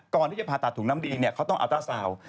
ก่อนที่จะผ่าตัดถุงน้ำดีเขาต้องอัลต้าสาว